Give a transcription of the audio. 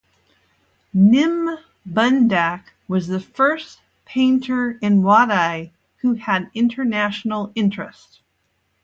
Nym Bundak was the first painter in Wadeye who had international interest.